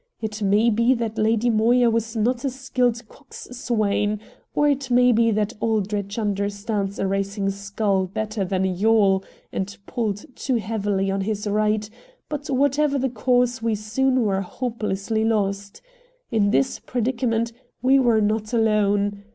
It may be that Lady Moya was not a skilled coxswain, or it may be that Aldrich understands a racing scull better than a yawl, and pulled too heavily on his right, but whatever the cause we soon were hopelessly lost. In this predicament we were not alone.